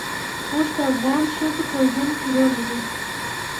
اوښ د افغان ښځو په ژوند کې رول لري.